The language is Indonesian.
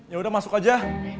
ya udah masuk aja